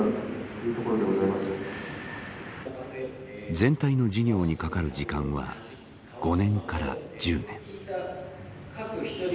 全体の事業にかかる時間は５年から１０年。